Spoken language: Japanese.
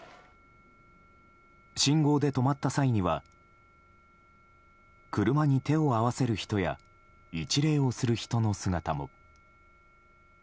信号で止まった際には車に手を合わせる人や一礼をする人の姿も。